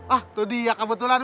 ah tuh dia kebetulan mak